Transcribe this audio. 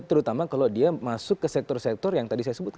terutama kalau dia masuk ke sektor sektor yang tadi saya sebutkan